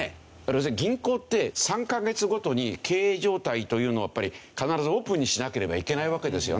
要するに銀行って３カ月ごとに経営状態というのをやっぱり必ずオープンにしなければいけないわけですよね。